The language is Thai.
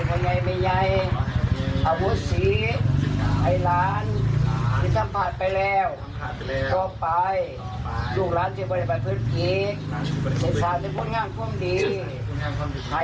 อาภัยให้ลูกแล้วยกโทษให้ลูก